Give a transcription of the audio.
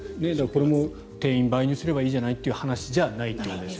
これも定員を倍にすればいいじゃないという話じゃないと。